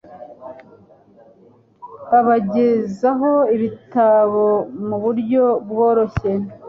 babagezaho ibitabo mu buryo bworoshye